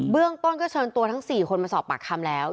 เรื่องต้นก็เชิญตัวทั้ง๔คนมาสอบปากคำแล้ว